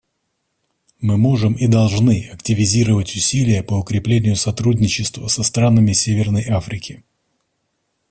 Мы можем и должны активизировать усилия по укреплению сотрудничества со странами Северной Африки.